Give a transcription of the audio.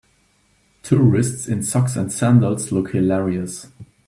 Tourists in socks and sandals look hilarious.